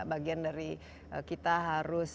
bagian dari kita harus